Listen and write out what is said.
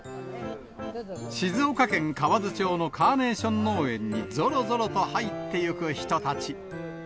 静岡県河津町のカーネーション農園にぞろぞろと入ってゆく人たち。